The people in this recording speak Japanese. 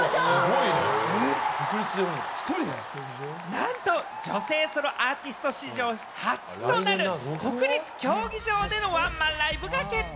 なんと女性ソロアーティスト史上初となる国立競技場でのワンマンライブが決定！